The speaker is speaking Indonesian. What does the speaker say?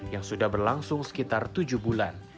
yang sudah berlangsung sekitar tujuh bulan